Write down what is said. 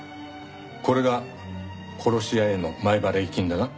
これが殺し屋への前払い金だな？